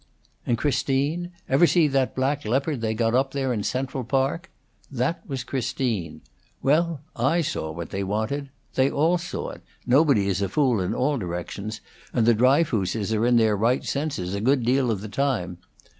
"And Christine? Ever see that black leopard they got up there in the Central Park? That was Christine. Well, I saw what they wanted. They all saw it nobody is a fool in all directions, and the Dryfooses are in their right senses a good deal of the time.